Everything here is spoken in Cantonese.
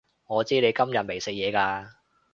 我知你今日未食嘢㗎